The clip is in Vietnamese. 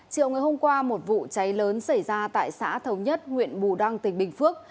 chiều ngày hôm qua một vụ cháy lớn xảy ra tại xã thống nhất huyện bù đăng tỉnh bình phước